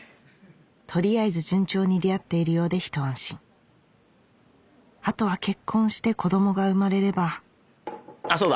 取りあえず順調に出会っているようで一安心あとは結婚して子供が生まれればあっそうだ。